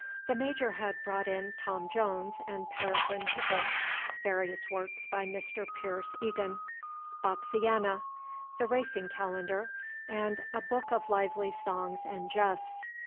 The Major had brought in "Tom Jones" and "Peregrine Pickle;" various works by Mr. Pierce Egan; "Boxiana," "The Racing Calendar;" and a "Book of Lively Songs and Jests."